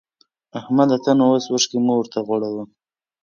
احمده! ته نو اوس اوښکی مه ورته غوړوه.